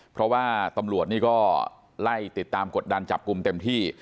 เพราะว่าตำรวจนี่ก็ไล่ติดตามกดดันจับกลุ่มเต็มที่